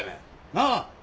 なあ？